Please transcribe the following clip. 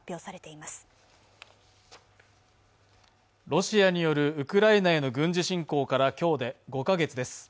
ロシアによるウクライナへの軍事侵攻から今日で５カ月です。